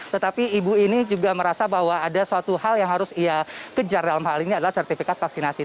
tetapi ibu ini juga merasa bahwa ada suatu hal yang harus ia kejar dalam hal ini adalah sertifikat vaksinasi